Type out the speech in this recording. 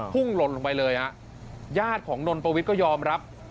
หล่นลงไปเลยฮะญาติของนนปวิทย์ก็ยอมรับ